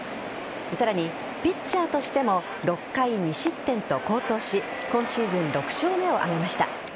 さらに、ピッチャーとしても６回２失点と好投し今シーズン６勝目を挙げました。